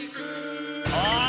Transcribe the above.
おい！